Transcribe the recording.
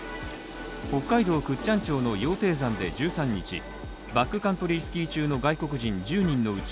北海道倶知安町の羊蹄山で１３日バックカントリースキー中の外国人１０人のうち